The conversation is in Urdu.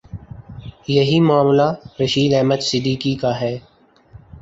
یہی معاملہ رشید احمد صدیقی کا ہے۔